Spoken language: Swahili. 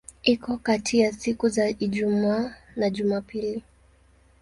Iko kati ya siku za Ijumaa na Jumapili.